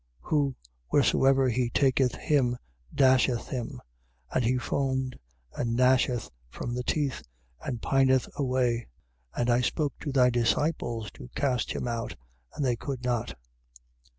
9:17. Who, wheresoever he taketh him, dasheth him: and he foameth and gnasheth with the teeth and pineth away. And I spoke to thy disciples to cast him out: and they could not.